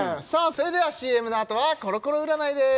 それではＣＭのあとはコロコロ占いです